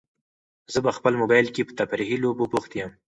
زه په خپل موبایل کې په تفریحي لوبو بوخت یم.